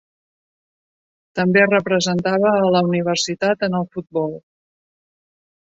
També representava a la universitat en el futbol.